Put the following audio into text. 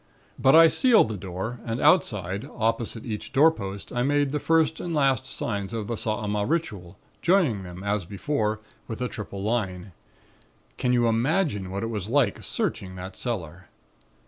But I sealed the door and outside, opposite each doorpost I made the First and Last signs of the Saaamaaa Ritual, joined them as before, with a triple line. Can you imagine what it was like, searching that cellar?